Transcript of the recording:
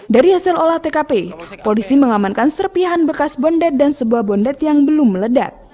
dari hasil olah tkp polisi mengamankan serpihan bekas bondet dan sebuah bondet yang belum meledak